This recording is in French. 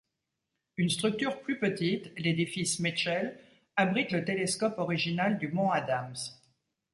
Une structure plus petite, l'édifice Mitchel, abrite le télescope original du Mont Adams.